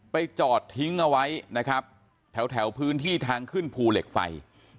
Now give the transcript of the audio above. จอดทิ้งเอาไว้นะครับแถวพื้นที่ทางขึ้นภูเหล็กไฟ